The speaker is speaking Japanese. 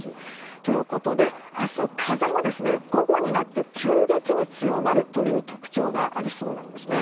ということで明日、風も午後になって急激に強まるという特徴がありそうなんですね。